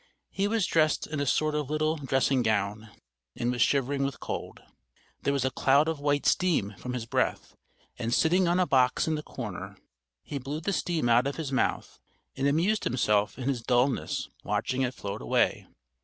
He was dressed in a sort of little dressing gown and was shivering with cold. There was a cloud of white steam from his breath, and sitting on a box in the corner, he blew the steam out of his mouth and amused himself in his dullness watching it float away.